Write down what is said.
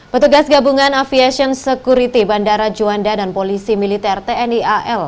petugas gabungan aviation security bandara juanda dan polisi militer tni al